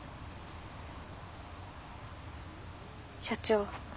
社長。